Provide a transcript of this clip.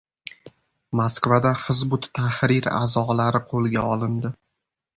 Moskvada “Hizb ut-Tahrir”a’zolari qo‘lga olindi